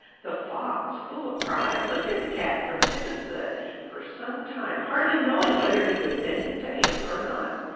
The Fox, full of pride, looked at the Cat from head to foot for some time hardly knowing whether he would deign to answer or not.